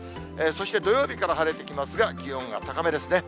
そして土曜日から晴れてきますが、気温が高めですね。